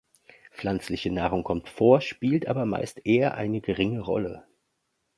Pflanzliche Nahrung kommt vor, spielt aber meist eher eine geringe Rolle.